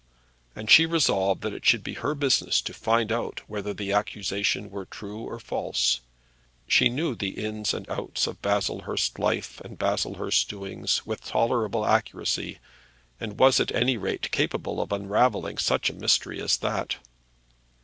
And she resolved that it should be her business to find out whether the accusation were true or false. She knew the ins and outs of Baslehurst life and Baslehurst doings with tolerable accuracy, and was at any rate capable of unravelling such a mystery as that.